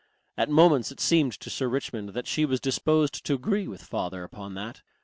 At moments it seemed to Sir Richmond that she was disposed to agree with father upon that.